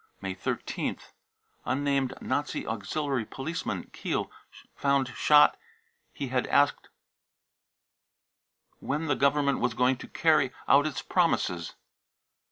May 13th. unnamed nazi auxiliary policeman, Kiel, found sho he had asked when the Government was going to carry 0 its promises.